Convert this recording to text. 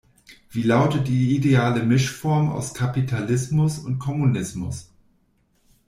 Wie lautet die ideale Mischform aus Kapitalismus und Kommunismus?